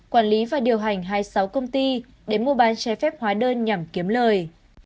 quản lý và điều hành hai mươi sáu công ty để mua bán trái phép hóa đơn nhằm kiếm lời